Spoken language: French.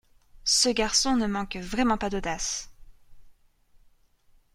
Ce garçon ne manque vraiment pas d'audace.